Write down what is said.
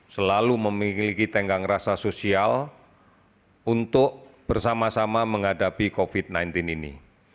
selalu memiliki tenggang rasa sosial untuk bersama sama menghadapi covid sembilan belas ini